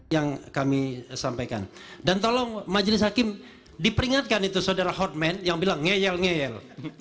yang kami sampaikan dan tolong majelis hakim diperingatkan itu saudara hotman yang bilang ngeyel ngeyel